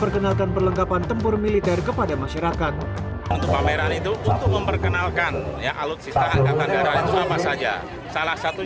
kalaurem pameran itu memperkenalkan alutsista angkatan terakhir apa saja salah satunya